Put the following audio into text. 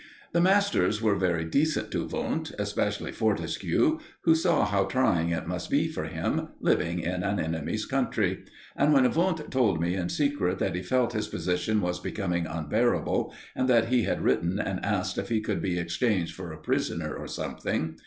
The masters were very decent to Wundt, especially Fortescue, who saw how trying it must be for him, living in an enemy's country; and when Wundt told me in secret that he felt his position was becoming unbearable, and that he had written and asked if he could be exchanged for a prisoner, or something.